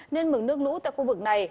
nên mực nước lũ tại khu vực này